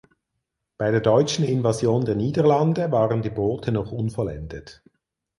Bei der deutschen Invasion der Niederlande waren die Boote noch unvollendet.